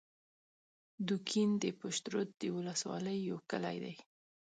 دوکین د پشترود د ولسوالۍ یو کلی دی